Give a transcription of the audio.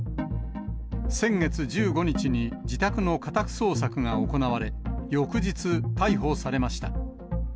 先月１５日に自宅の家宅捜索が行われ、翌日、逮捕されました。